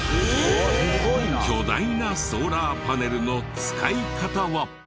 巨大なソーラーパネルの使い方は？